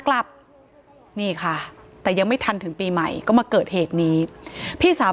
กลับนี่ค่ะแต่ยังไม่ทันถึงปีใหม่ก็มาเกิดเหตุนี้พี่สาว